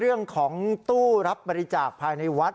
เรื่องของตู้รับบริจาคภายในวัด